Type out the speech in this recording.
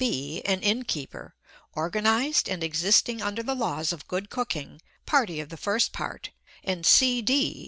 B., an innkeeper, organized and existing under the laws of good cooking, party of the first part, and C. D.